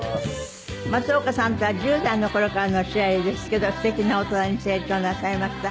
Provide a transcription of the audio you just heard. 松岡さんとは１０代の頃からのお知り合いですけど素敵な大人に成長なさいました。